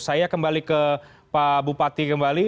saya kembali ke pak bupati kembali